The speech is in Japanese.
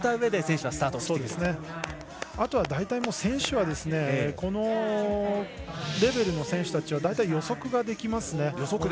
あと大体このレベルの選手たちは大体予測ができますね。